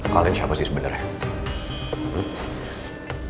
kalian siapa sih sebenarnya